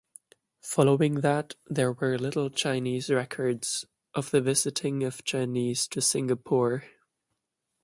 Following that, there were little Chinese records of the visiting of Chinese to Singapore.